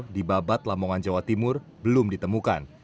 di babat lamongan jawa timur belum ditemukan